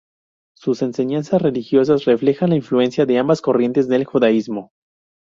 Sus enseñanzas religiosas reflejan la influencia de ambas corrientes del judaísmo.